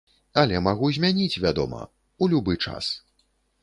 Але магу змяніць, вядома, у любы час.